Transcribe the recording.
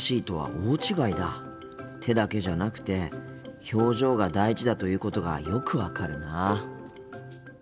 手だけじゃなくて表情が大事だということがよく分かるな。